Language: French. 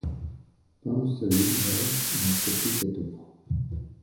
Pas un seul éleveur n’a accepté cette offre.